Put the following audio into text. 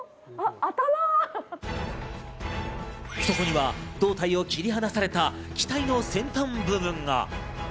そこには胴体を切り離された機体の先端部分が。